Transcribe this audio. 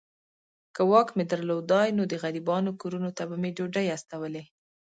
که واک مي درلودای نو د غریبانو کورونو ته به مي ډوډۍ استولې.